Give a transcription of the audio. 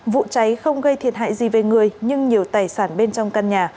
vụ cháy không gây thiệt hại gì về người nhưng nhiều tài sản bên trong căn nhà